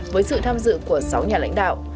với sự tham dự của sáu nhà lãnh đạo